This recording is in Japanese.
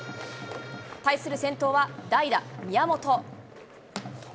対する先頭は、代打、宮本。